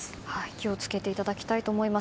気を付けていただきたいと思います。